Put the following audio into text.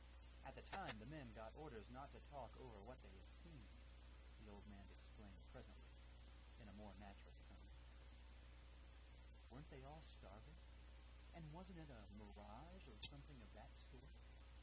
At the time, the men got orders not to talk over what they had seen," the old man explained presently in a more natural tone. "Weren't they all starving, and wasn't it a mirage or something of that sort?"